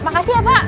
makasih ya pak